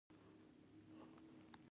د دوه انسانانو ژوند سره لوبې دي